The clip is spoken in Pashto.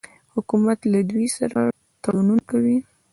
حکومت له دوی سره تړونونه کوي.